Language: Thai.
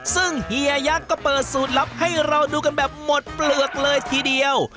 ซึ่งเฮียยักษ์ก็เปิดสูตรลับให้เราดูกันแบบหมดเปลือกเลยทีเดียว